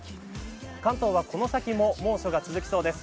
関東はこの先も猛暑が続きそうです。